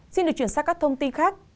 xin được chuyển sang các thông tin khác